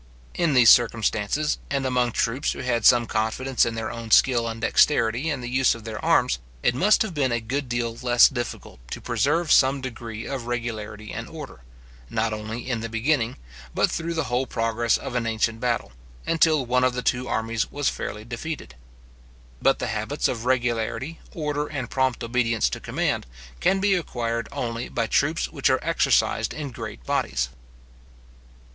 In these circumstances, and among troops who had some confidence in their own skill and dexterity in the use of their arms, it must have been a good deal less difficult to preserve some degree of regularity and order, not only in the beginning, but through the whole progress of an ancient battle, and till one of the two armies was fairly defeated. But the habits of regularity, order, and prompt obedience to command, can be acquired only by troops which are exercised in great bodies.